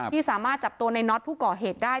ที่สามารถจับตัวในน็อตผู้ก่อเหตุได้